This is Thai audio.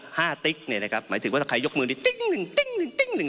ติ๊กเนี่ยนะครับหมายถึงว่าถ้าใครยกมือในติ๊กหนึ่งติ๊งหนึ่งติ๊งหนึ่ง